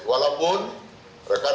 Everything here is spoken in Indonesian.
walaupun rekan rekan polri tidak ada